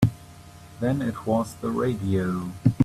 Then it was the radio.